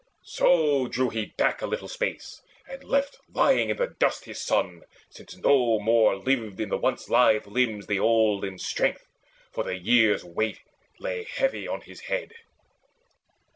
So drew he back a little space, and left Lying in dust his son, since now no more Lived in the once lithe limbs the olden strength, For the years' weight lay heavy on his head.